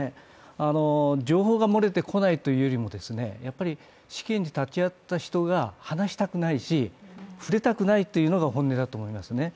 情報が漏れてこないというよりも、死刑に立ち会った人たちが話したくないし、触れたくないというのが本音だと思いますね。